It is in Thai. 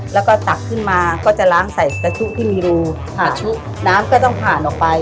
แล้วก็ตักขึ้นมาก็จะล้างใส่กระชุที่มีรูผ่าชุน้ำก็ต้องผ่านออกไป